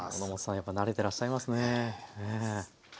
やっぱり慣れてらっしゃいますね。